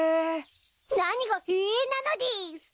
何が「へぇ」なのでぃす！